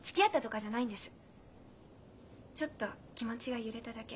「ちょっと気持ちが揺れただけ」。